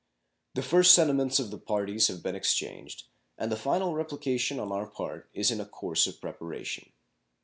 The first sentiments of the parties have been exchanged, and the final replication on our part is in a course of preparation.